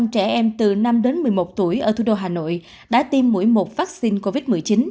một trăm sáu mươi chín ba trăm linh trẻ em từ năm đến một mươi một tuổi ở thủ đô hà nội đã tiêm mũi một vaccine covid một mươi chín